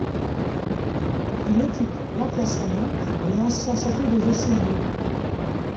Il occupe l'emplacement de l'ancien château de Richelieu.